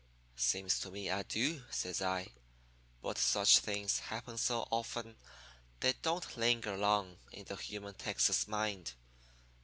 "'Seems to me I do,' says I. 'But such things happen so often they don't linger long in the human Texas mind.